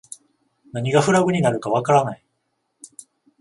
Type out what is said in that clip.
何がフラグになるかわからない